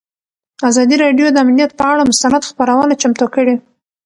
ازادي راډیو د امنیت پر اړه مستند خپرونه چمتو کړې.